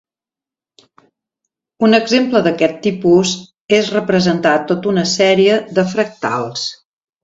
Un exemple d'aquest tipus és representar tot una sèrie de fractals.